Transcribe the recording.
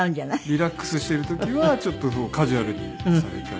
リラックスしている時はちょっとカジュアルにされたり。